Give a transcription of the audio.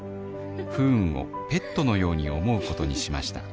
不運をペットのように思うことにしました。